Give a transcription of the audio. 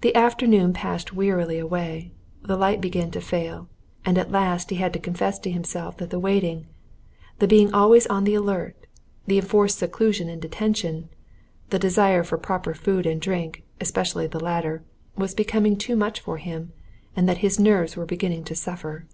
The afternoon passed wearily away; the light began to fail, and at last he had to confess to himself that the waiting, the being always on the alert, the enforced seclusion and detention, the desire for proper food and drink especially the latter was becoming too much for him, and that his nerves were beginning to suffer.